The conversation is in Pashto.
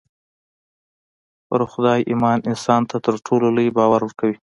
پر خدای ايمان انسان ته تر ټولو لوی باور ورکوي.